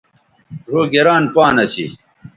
ڙھؤ گران پان اسی